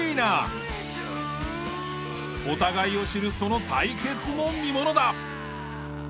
お互いを知るその対決も見ものだ。